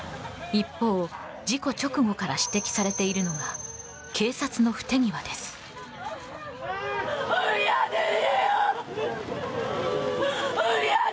一方、事故直後から指摘されているのが警察の不手際です。